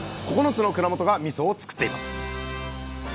９つの蔵元がみそをつくっています。